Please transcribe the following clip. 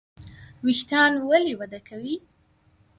ویښتان ولې وده کوي؟